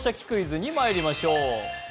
クイズ」にまいりましょう。